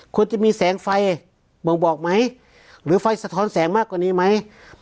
ควรจะมีแสงไฟบ่งบอกไหมหรือไฟสะท้อนแสงมากกว่านี้ไหม